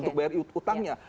untuk bayar utangnya